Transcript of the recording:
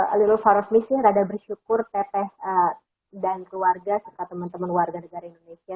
a little far of missing rada bersyukur teteh dan keluarga serta teman teman warga negara indonesia